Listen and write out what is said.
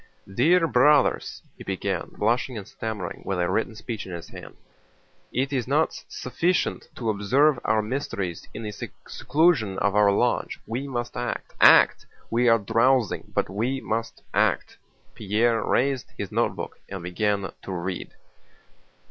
"Dear Brothers," he began, blushing and stammering, with a written speech in his hand, "it is not sufficient to observe our mysteries in the seclusion of our lodge—we must act—act! We are drowsing, but we must act." Pierre raised his notebook and began to read.